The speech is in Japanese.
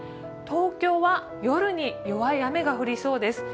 東京は夜に弱い雨が降りそうです。